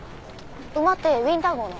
馬ってウィンター号の？